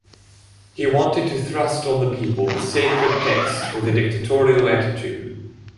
He wanted to thrust on the people the sacred texts with a dictatorial attitude.